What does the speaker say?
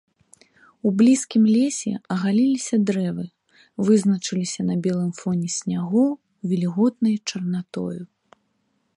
У блізкім лесе агаліліся дрэвы, вызначаліся на белым фоне снягоў вільготнай чарнатою.